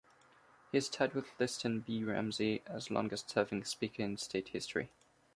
He is tied with Liston B. Ramsey as longest-serving Speaker in state history.